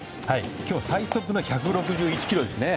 今日最速の１６１キロですね。